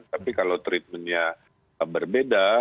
tapi kalau treatmentnya berbeda